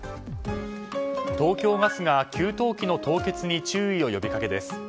東京ガスが給湯器の凍結に注意を呼びかけです。